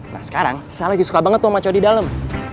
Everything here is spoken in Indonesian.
nah sekarang saya lagi suka banget ngomong sama cowok di dalam